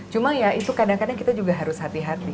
cuma ya itu kadang kadang kita juga harus hati hati